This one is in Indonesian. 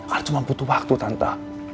al cuma butuh waktu tante